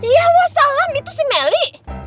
ya wassalam itu si meli